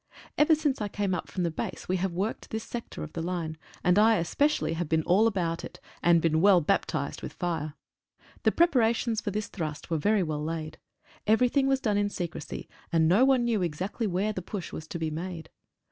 Ever since I came up from the base we have worked this sector of the line, and I especially have been all about it, and been well bap tised with fire. The preparations for this thrust were very well laid. Everything was done in secrecy, and no one knew exactly where the push was to be made.